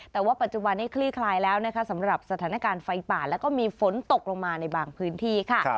แต่ว่าปัจจุบันนี้คลี่คลายแล้วนะคะสำหรับสถานการณ์ไฟป่าแล้วก็มีฝนตกลงมาในบางพื้นที่ค่ะ